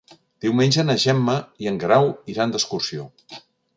Diumenge na Gemma i en Guerau iran d'excursió.